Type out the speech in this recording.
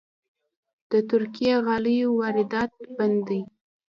د ترکي غالیو واردات بند دي؟